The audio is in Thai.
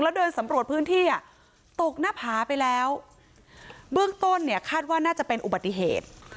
แล้วเดินสำรวจพื้นที่อ่ะตกหน้าผาไปแล้วเบื้องต้นเนี่ยคาดว่าน่าจะเป็นอุบัติเหตุ